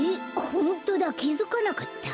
ホントだきづかなかった。